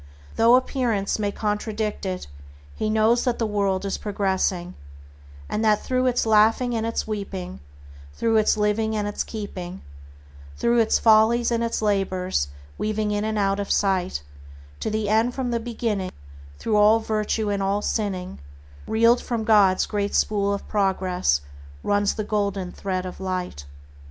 Though appearances may contradict it, he knows that the world is progressing, and that "Through its laughing and its weeping, Through its living and its keeping, Through its follies and its labors, weaving in and out of sight, To the end from the beginning, Through all virtue and all sinning, Reeled from God's great spool of Progress, runs the golden thread of light."